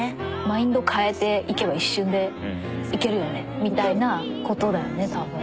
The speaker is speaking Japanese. マインド変えていけば一瞬でいけるよねみたいなことだよね多分。